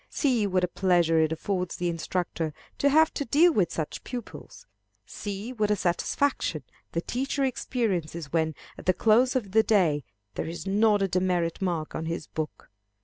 See what a pleasure it affords the instructor to have to deal with such pupils. See what a satisfaction the teacher experiences when, at the close of the day, there is not a demerit mark on his book.